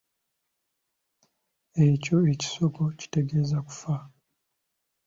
Ekyo ekisoko kitegeeza kufa.